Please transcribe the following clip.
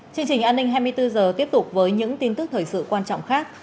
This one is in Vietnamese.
chương trình an ninh hai mươi bốn h tiếp tục với những tin tức thời sự quan trọng khác